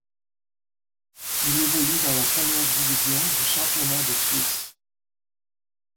Il évolue dans la première division du championnat de Suisse.